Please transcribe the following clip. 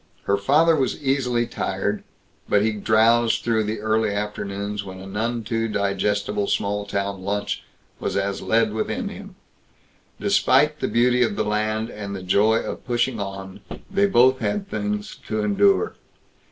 Her father was easily tired, but he drowsed through the early afternoons when a none too digestible small town lunch was as lead within him. Despite the beauty of the land and the joy of pushing on, they both had things to endure.